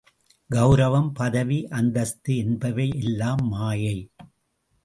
கெளரவம், பதவி, அந்தஸ்து என்பவை எல்லாம் மாயை.